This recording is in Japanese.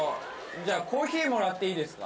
じゃ、コーヒーもらっていいですか。